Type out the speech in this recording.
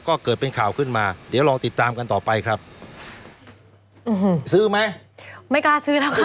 ก็เกิดเป็นข่าวขึ้นมาเดี๋ยวลองติดตามกันต่อไปครับอืมซื้อไหมไม่กล้าซื้อแล้วค่ะ